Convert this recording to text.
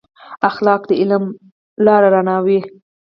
اخلاق د علم لار رڼوي.